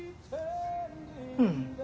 うん。